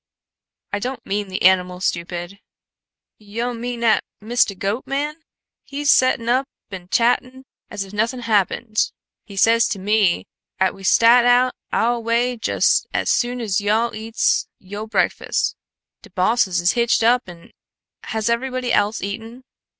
"I don't mean the animal, stupid." "Yo' mean 'at Misteh Goat man? He's settin' up an' chattin' as if nothin' happened. He says to me 'at we staht on ouah way jes' as soon as yo' all eats yo' b'eakfus'. De bosses is hitched up an' " "Has everybody else eaten?